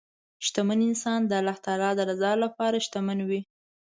شتمن انسان د الله د رضا لپاره شتمن وي.